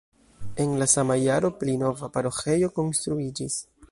En la sama jaro pli nova paroĥejo konstruiĝis.